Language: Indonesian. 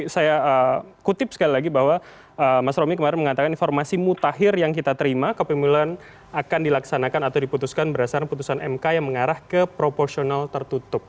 saya kutip sekali lagi bahwa mas romi kemarin mengatakan informasi mutakhir yang kita terima kepemiluan akan dilaksanakan atau diputuskan berdasarkan putusan mk yang mengarah ke proporsional tertutup